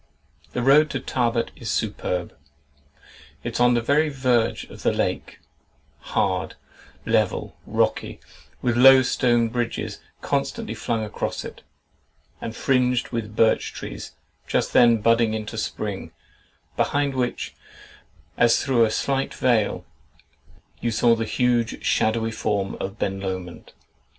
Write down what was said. The road to Tarbet is superb. It is on the very verge of the lake—hard, level, rocky, with low stone bridges constantly flung across it, and fringed with birch trees, just then budding into spring, behind which, as through a slight veil, you saw the huge shadowy form of Ben Lomond.